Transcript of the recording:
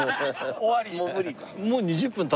終わり。